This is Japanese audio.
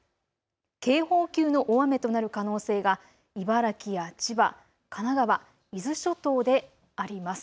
警報級の大雨となる可能性が茨城や千葉、神奈川、伊豆諸島であります。